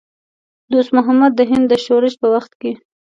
دوست محمد د هند د شورش په وخت کې.